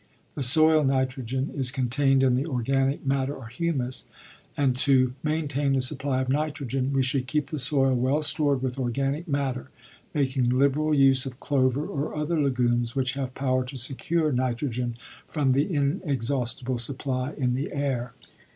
The soil nitrogen is contained in the organic matter or humus, and to maintain the supply of nitrogen we should keep the soil well stored with organic matter, making liberal use of clover or other legumes which have power to secure nitrogen from the inexhaustible supply in the air.